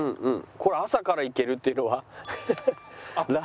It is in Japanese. これ朝からいけるっていうのはハハハッ。